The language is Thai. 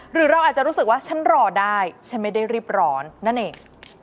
หรือเราอาจจะรู้สึกว่าฉันรอได้ฉันไม่ได้รีบร้อนนั่นเอง